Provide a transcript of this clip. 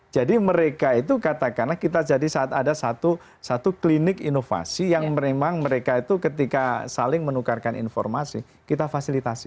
jadi mereka itu katakanlah kita jadi saat ada satu klinik inovasi yang memang mereka itu ketika saling menukarkan informasi kita fasilitasi